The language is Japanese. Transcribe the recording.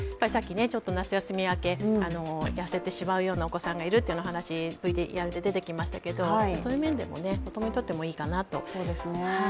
夏休み明け、痩せてしまうようなお子様がいるというようなお話ＶＴＲに出てきましたけど、そういう面でも、子供にとってもいいでしょうね。